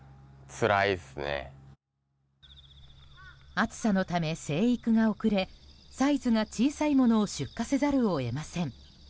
暑さのため生育が遅れサイズが小さいものを出荷せざるを得ません。